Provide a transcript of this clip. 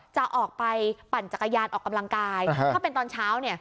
จะออกไปปั่นจักรยานออกกำลังกายถ้าเป็นตอนเช้าเนี่ย